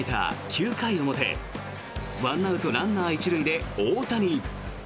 ９回表１アウト、ランナー１塁で大谷。